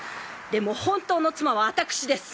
でも本当の妻は私です。